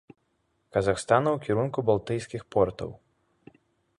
Казахстана ў кірунку балтыйскіх портаў.